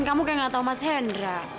kamu kayak gak tau mas hendra